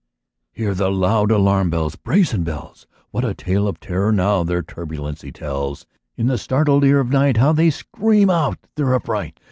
Hear the loud alarum bells Brazen bells! What a tale of terror, now their turbulency tells! In the startled ear of night How they scream out their affright!